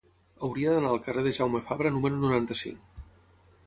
Hauria d'anar al carrer de Jaume Fabra número noranta-cinc.